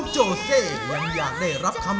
ขอบคุณที่ฟังข้างหน้าค่ะ